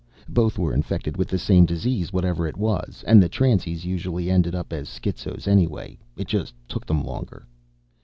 Both were infected with the same disease, whatever it was. And the transies usually ended up as schizos anyway. It just took them longer."